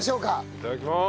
いただきます。